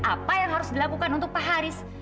apa yang harus dilakukan untuk pak haris